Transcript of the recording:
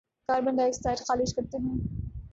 carbon dioxide خارج کرتے ہیں